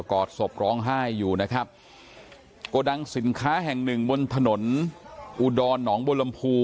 ก็กอดศพร้องห้ายอยู่นะครับโกดังสินค้าแห่ง๑บนถนนอุดรเหนาะบลมพู